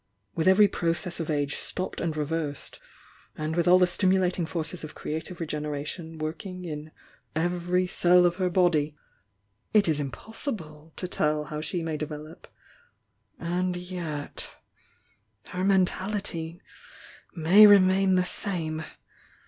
With every process of age stopped and reversed, and with all the stim ulating forces of creative regeneration working in every cell of her body it is impossible to tell how she may develop — and yet — her mentality may remain the same!